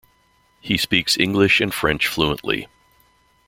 He speaks English and French fluently.